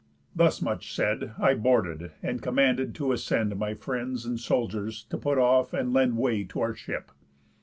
Thus much said, I boarded, and commanded to ascend My friends and soldiers, to put off, and lend Way to our ship.